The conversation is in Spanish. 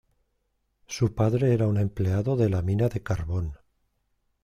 Su padre era un empleado de la mina de carbón.